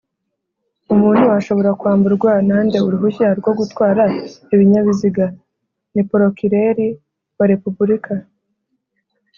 umuntu ashobora kwamburwa nande Uruhushya rwo gutwara Ibinyabiziga?ni porokireri wa repuburika